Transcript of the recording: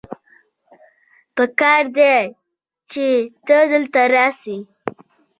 پکار دی چې ته دلته راسې